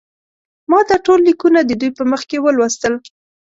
ما دا ټول لیکونه د دوی په مخ کې ولوستل.